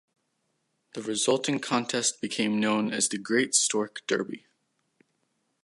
The resulting contest became known as the Great Stork Derby.